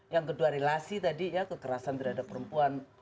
yang kedua relasi tadi ya kekerasan terhadap perempuan